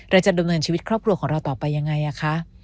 เราจะดำเนินชีวิตครอบครัวของเราต่อไปยังไงคะ